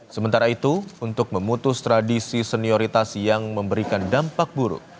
sementara itu untuk memutus tradisi senioritas yang memberikan dampak buruk